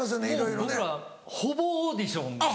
もう僕らほぼオーディションですから。